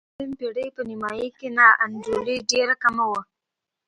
د اتلسمې پېړۍ په نیمايي کې نا انډولي ډېره کمه وه.